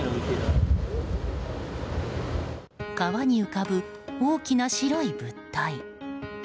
川に浮かぶ大きな白い物体。